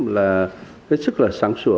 là rất là sáng sủa